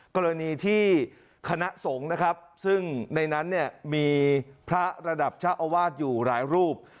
กรณีที่คณะสงฆ์ซึ่งในนั้นมีพระระดับเจ้าอวาสอยู่หลายรูป